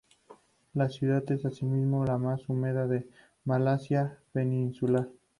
La ciudad es asimismo la más húmeda de Malasia Peninsular.